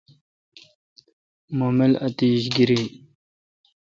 مہ مل اتیش گیریی۔